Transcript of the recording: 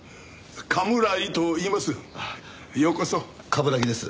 冠城です。